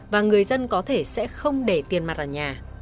và người dân có thể sẽ không để tiền mặt ở nhà